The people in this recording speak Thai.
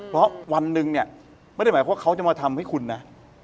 เพราะวันหนึ่งเนี่ยไม่ได้หมายความว่าเขาจะมาทำให้คุณนะ